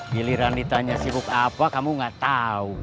giliran ditanya sibuk apa kamu gak tahu